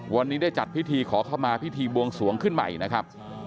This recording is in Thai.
วันนี้ได้จัดพิธีขอเข้ามาพิธีบวงสวงขึ้นใหม่นะครับ